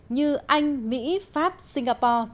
như anh mỹ pháp singapore